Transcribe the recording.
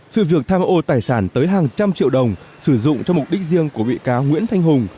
sự việc tham ô tài sản tới hàng trăm triệu đồng sử dụng cho mục đích riêng của bị cáo nguyễn thanh hùng